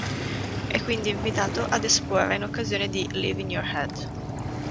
È quindi invitato ad esporre in occasione di "Live in Your Head.